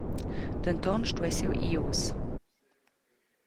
Denton stuess jeu ir uss.